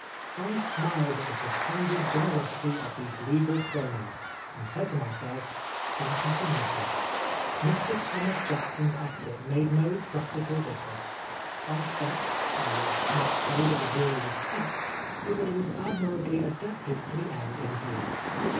I smiled at the pretended generosity of these legal cronies, and said to myself, *' Thank you for nothing." Mr. Thomas Jackson^s exit made no practical differ ence. I felt, I will not say that the jury was packed^ THE SECOND TRIAL. 99 but that it was admirably adapted to the end in view.